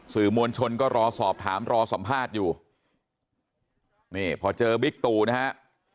สื่อมวลชนก็รอสอบถามรอสัมภาษณ์อยู่นี่พอเจอบิ๊กตู่นะฮะ